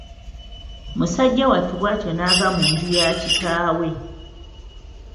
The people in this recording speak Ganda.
Musajja wattu bw'atyo n'ava mu nju ya kitaawe.